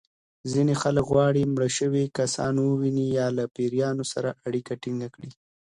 ځینې خلک غواړي مړه شوي کسان وویني یا له پېریانو سره اړیکه ټېنګه کړي.